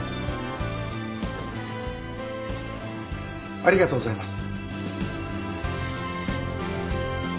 ありがとうございます。